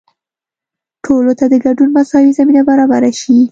ټولو ته د ګډون مساوي زمینه برابره شي.